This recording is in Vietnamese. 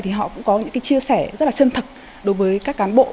thì họ cũng có những cái chia sẻ rất là chân thật đối với các cán bộ